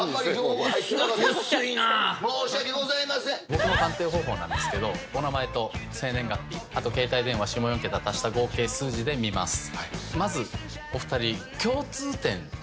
僕の鑑定方法なんですがお名前と生年月日あと携帯電話下４桁足した合計数字で見ます。